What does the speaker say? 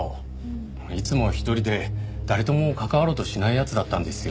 いつも一人で誰とも関わろうとしない奴だったんですよ。